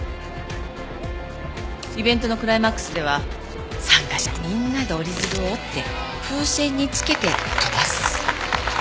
イベントのクライマックスでは参加者みんなで折り鶴を折って風船につけて飛ばす。